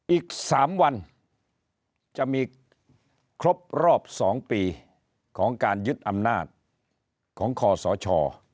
อีก๓วันจะมีครบรอบ๒ปีของการยึดอำนาจของคอสช